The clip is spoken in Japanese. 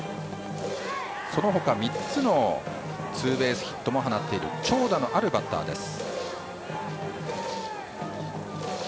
そのほか、３つのツーベースヒットも放っている長打のあるバッターです。